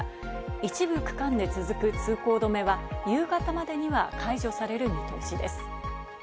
一部区間で続く通行止めは夕方までには解除される見通しです。